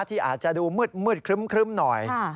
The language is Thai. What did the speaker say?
ที่อาจจะดูมืดครึ้มหน่อย